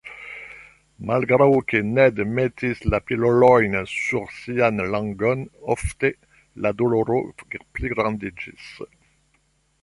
Malgraŭ ke Ned metis la pilolojn sub sian langon ofte, la doloro pligrandiĝis.